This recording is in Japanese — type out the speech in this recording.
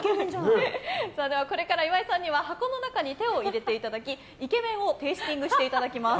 これから岩井さんには箱の中に手を入れていただきイケメンをテイスティングしていただきます。